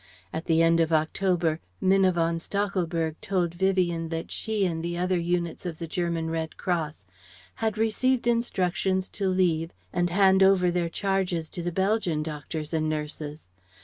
At the end of October, Minna von Stachelberg told Vivien that she and the other units of the German Red Cross had received instructions to leave and hand over their charges to the Belgian doctors and nurses.